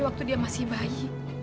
waktu dia masih bayi